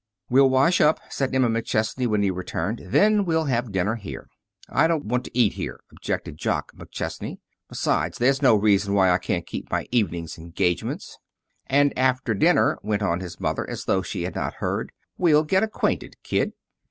"We'll wash up," said Emma McChesney, when he returned, "and then we'll have dinner here." "I don't want to eat here," objected Jock McChesney. "Besides, there's no reason why I can't keep my evening's engagements." "And after dinner," went on his mother, as though she had not heard, "we'll get acquainted, Kid."